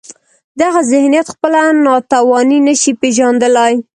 دغه ذهنیت خپله ناتواني نشي پېژندلای.